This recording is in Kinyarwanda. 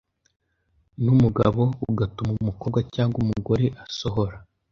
numugabo bugatuma umukobwa cyangwa umugore asohora